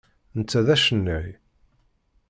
Netta d acennay.